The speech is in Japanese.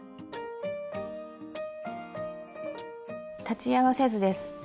裁ち合わせ図です。